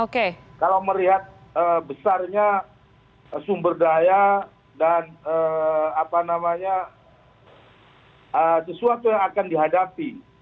kalau melihat besarnya sumber daya dan sesuatu yang akan dihadapi